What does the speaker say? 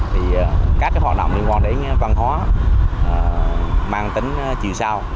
thì các hoạt động liên quan đến văn hóa mang tính chiều sau